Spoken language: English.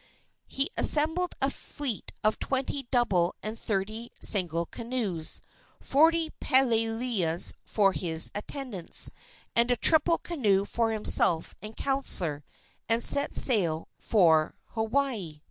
He assembled a fleet of twenty double and thirty single canoes, forty peleleus for his attendants, and a triple canoe for himself and counselor, and set sail for Hawaii.